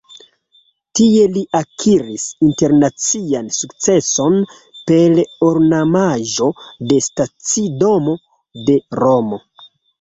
Tie li akiris internacian sukceson per ornamaĵo de stacidomo de Romo.